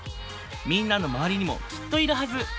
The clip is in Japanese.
みんなの周りにもきっといるはず。